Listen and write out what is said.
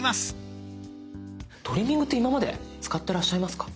トリミングって今まで使ってらっしゃいますか？